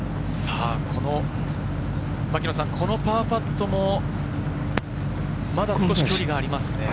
このパーパットも、まだ少し距離がありますね。